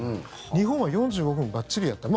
日本は４５分ばっちりやった。